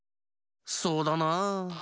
そうだなあ。